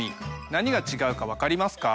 何が違うか分かりますか？